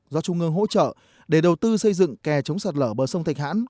do trung ương hỗ trợ để đầu tư xây dựng kè chống sạt lở bờ sông thạch hãn